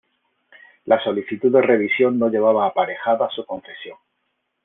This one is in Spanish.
La solicitud de revisión no llevaba aparejada su concesión.